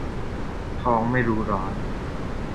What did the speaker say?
ทองไม่รู้ร้อน